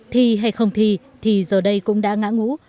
thi hay không thi thì giờ đây cũng đã ngã ngũ